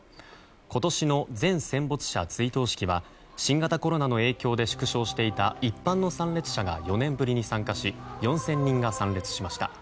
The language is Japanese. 今年の全戦没者追悼式は新型コロナの影響で縮小していた一般の参列者が４年ぶりに参加し４０００人が参列しました。